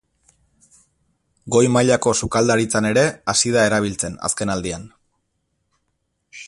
Goi mailako sukaldaritzan ere hasi da erabiltzen azken aldian.